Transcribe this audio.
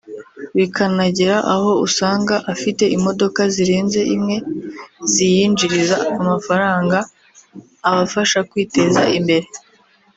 bikanagera aho usanga afite imodoka zirenze imwe ziyinjiriza amafaranga abafasha kwiteza imbere